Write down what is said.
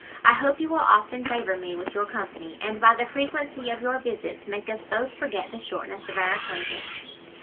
I hope you will often favour me with your company, and by the frequency of your visits, make us both forget the shortness of our acquaintance."